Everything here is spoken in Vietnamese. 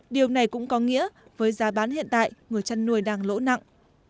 điều này cũng có nghĩa với giá bán hiện tại người chăn nuôi đang lỗ nặng